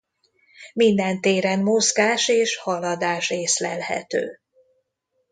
Minden téren mozgás és haladás észlelhető.